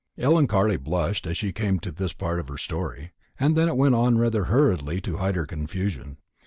Ellen Carley blushed as she came to this part of her story, and then went on rather hurriedly to hide her confusion.